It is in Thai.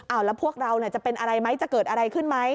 แล้วพวกเราจะเป็นอะไรไหมจะเกิดอะไรขึ้นไหม